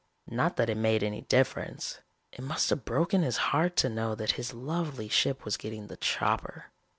Not that it made any difference. It must have broken his heart to know that his lovely ship was getting the chopper.